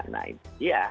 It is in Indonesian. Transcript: nah itu dia